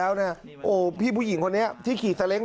อาทิตย์๒๕อาทิตย์